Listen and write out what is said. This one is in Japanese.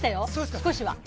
少しは。